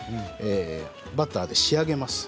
バターで仕上げます。